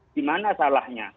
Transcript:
di mana salahnya